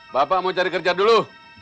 bapak mau cari kerja dulu